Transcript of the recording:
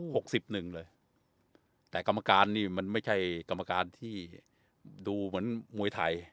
สิบหนึ่งเลยแต่กรรมการนี่มันไม่ใช่กรรมการที่ดูเหมือนมวยไทย